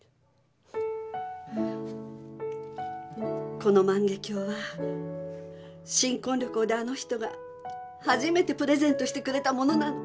この万華鏡は新婚旅行であの人がはじめてプレゼントしてくれたものなの。